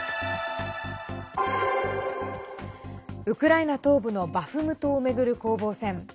ウクライナ東部のバフムトを巡る攻防戦。